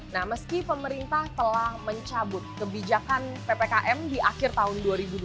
nah meski pemerintah telah mencabut kebijakan ppkm di akhir tahun dua ribu dua puluh